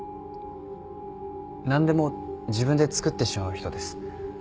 何でも自分でつくってしまう人です。